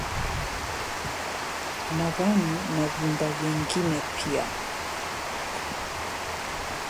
nadhani na vyumba vyengine pia